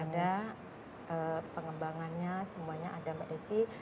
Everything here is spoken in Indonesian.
ada pengembangannya semuanya ada mbak desi